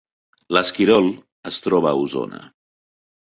L’Esquirol es troba a Osona